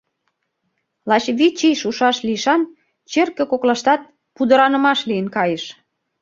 Лач вич ий шушаш лишан черке коклаштат пудыранымаш лийын кайыш.